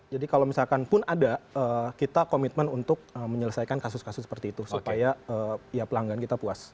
kalau misalkan pun ada kita komitmen untuk menyelesaikan kasus kasus seperti itu supaya ya pelanggan kita puas